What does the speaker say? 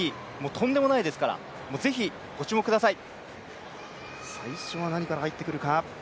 とんでもないですから是非、ご注目ください。